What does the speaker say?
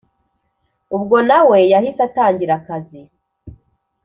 ubwo nawe yahise atangira akazi